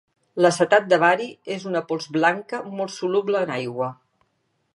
L'acetat de bari és una pols blanca, molt soluble en aigua.